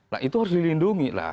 nah itu harus dilindungi lah